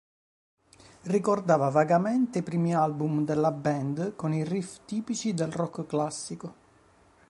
Ricordava vagamente i primi album della band con i riff tipici del rock classico.